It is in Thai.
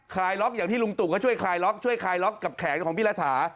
คลายล็อกอย่างที่ลุงตู่ก็ช่วยคลายล็อกช่วยคลายล็อกกับแขนของพี่รัฐา